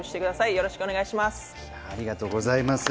よろしくお願いします。